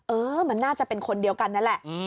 เออมันน่าจะเป็นคนเดียวกันนั่นแหละ